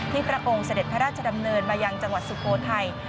พระองค์เสด็จพระราชดำเนินมายังจังหวัดสุโขทัย